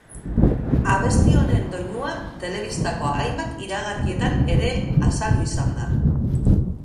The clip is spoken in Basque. Abesti honen doinua telebistako hainbat iragarkietan ere azaldu izan da.